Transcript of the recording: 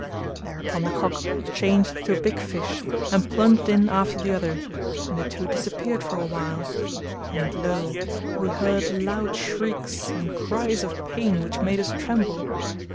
Thereupon the cock changed to a big fish, and plunged in after the other, and the two disappeared for a while and lo! we heard loud shrieks and cries of pain which made us tremble.